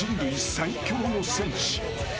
最強の戦士。